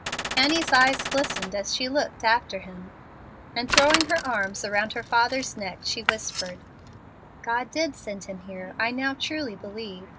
Annie's eyes glistened as she looked after him, and throwing her arms around her father's neck, she whispered, "God did send him here I now truly believe.